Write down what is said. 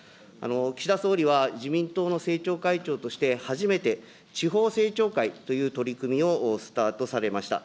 岸田総理は自民党の政調会長として初めて、地方政調会という取り組みをスタートされました。